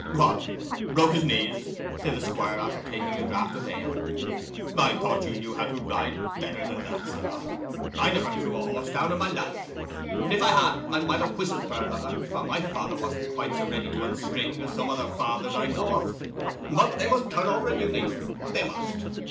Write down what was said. "What! broke his knees?" said the Squire, after taking a draught of ale. "I thought you knew how to ride better than that, sir. I never threw a horse down in my life. If I had, I might ha' whistled for another, for my father wasn't quite so ready to unstring as some other fathers I know of. But they must turn over a new leaf—they must.